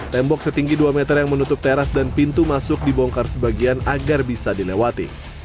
tembok setinggi dua meter yang menutup teras dan pintu masuk dibongkar sebagian agar bisa dilewati